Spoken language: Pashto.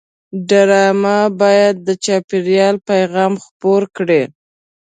ډرامه باید د چاپېریال پیغام خپور کړي